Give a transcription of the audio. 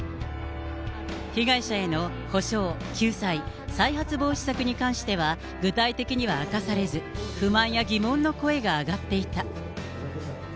被害者への補償、救済、再発防止策に関しては具体的には明かされず、不満や疑問の声が上がっていた。